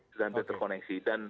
sudah hampir terkoneksi